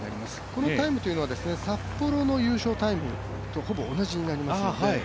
このタイムというのは札幌の優勝タイムとほぼ同じになりますので